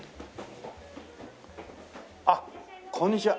あっこんにちは。